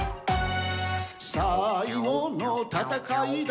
「最後の戦いだ」